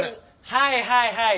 はいはいはい！